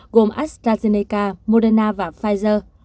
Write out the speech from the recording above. gồm astrazeneca moderna và pfizer